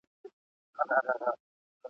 پل یې هېر دی له دښتونو یکه زار له جګو غرونو ..